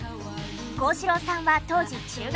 幸四郎さんは当時中学生。